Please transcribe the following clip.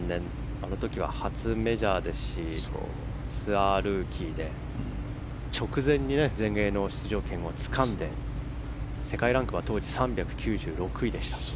あの時は初メジャーでしたしツアールーキーで直前に全英の出場権をつかんで世界ランクは当時３９６位でした。